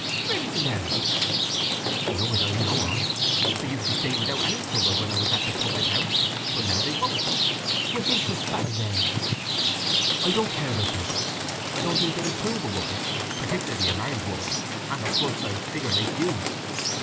"Where did you learn it?" "Nowhere that I know of. They used to stay without any trouble when I was at the public house; but now they won't. My face was fatter then." "I don't care about dimples. I don't think they improve a woman—particularly a married woman, and of full sized figure like you."